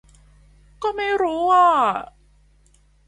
ก็ไม่รู้อ่า